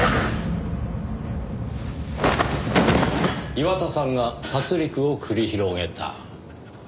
岩田さんが殺戮を繰り広げた。